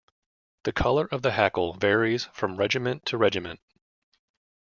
The colour of the hackle varies from regiment to regiment.